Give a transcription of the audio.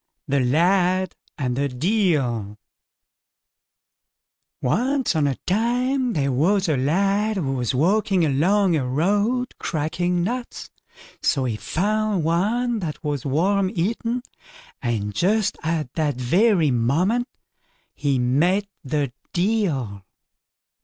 THE LAD AND THE DEIL Once on a time there was a lad who was walking along a road cracking nuts, so he found one that was worm eaten, and just at that very moment he met the Deil.